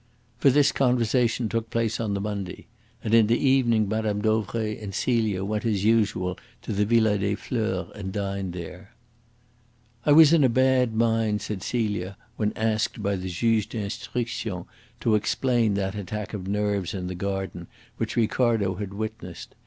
For this conversation took place on the Monday, and in the evening Mme. Dauvray and Celia went as usual to the Villa des Fleurs and dined there. "I was in a bad mind," said Celia, when asked by the Juge d'Instruction to explain that attack of nerves in the garden which Ricardo had witnessed.